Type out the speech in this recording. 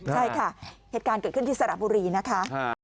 ใช่ค่ะเหตุการณ์เกิดขึ้นที่สระบุรีนะคะ